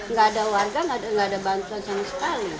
nggak ada warga nggak ada bantuan sama sekali